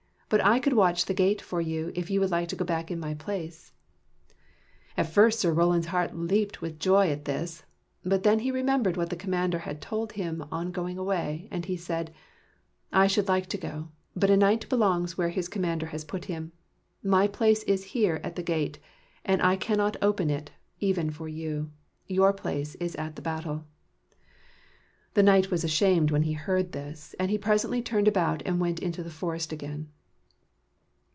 But I could watch the gate for you, if you would like to go back in my place." At first Sir Roland's heart leaped with joy at this, but then he remembered what the commander had told him on going away, and he said: " I should like to go, but a knight belongs where his commander has put him. My place is here at the gate, and I can not open it even for you. Your place is at the battle." The knight was ashamed when he heard this, and he presently turned about and went into the forest again.